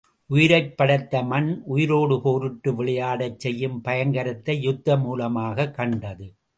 உயிரைப் படைத்த மண், உயிரைப் போரிட்டு விளையாடச் செய்யும் பயங்கரத்தை யுத்த மூலமாகக் கண்டது.